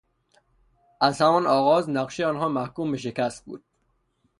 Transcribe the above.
از همان آغاز نقشهی آنها محکوم به شکست بود.